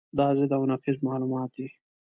دا ضد او نقیض معلومات دي.